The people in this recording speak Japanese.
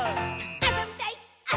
あそびたいっ！！」